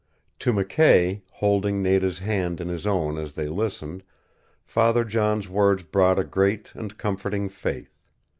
To McKay, holding Nada's hand in his own as they listened, Father John's words brought a great and comforting faith.